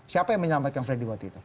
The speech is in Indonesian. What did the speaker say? siapa yang menyampaikan freddy waktu itu